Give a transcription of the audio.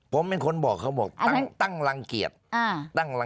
ผมเป็นคนบอกเขาบอกตั้งรังเกียจ